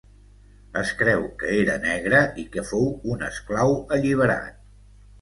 Es creu que era negre i que fou un esclau alliberat.